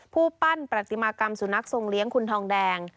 ผู้ปั้นประติมากรรมสุนัขทรงเลี้ยงคุณทองแดง